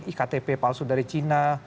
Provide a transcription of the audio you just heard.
iktp palsu dari china